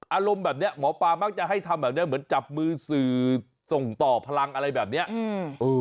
อารมณ์แบบเนี้ยหมอปลามักจะให้ทำแบบเนี้ยเหมือนจับมือสื่อส่งต่อพลังอะไรแบบเนี้ยอืมเออ